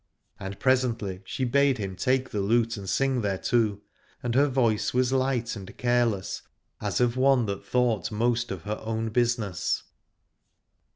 And presently she bade him take the lute and sing thereto : and her voice was light and careless, as of one that thought most of her own business.